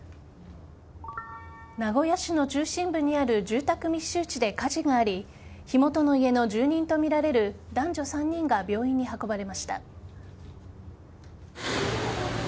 名古屋市の中心部にある住宅密集地で火事があり火元の家の住人とみられる男女３人が病院に運ばれました。